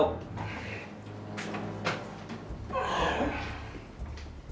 gue kasih tau